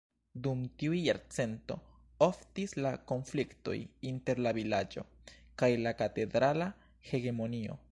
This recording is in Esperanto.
Dum tiuj jarcento oftis la konfliktoj inter la vilaĝo kaj la katedrala hegemonio.